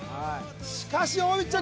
しかし大道ちゃん